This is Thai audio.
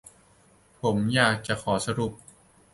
ผมอยากจะขอสรุป